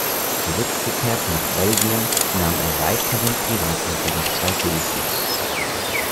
Zurückgekehrt nach Belgien nahm er weiteren Privatunterricht bei Gilson.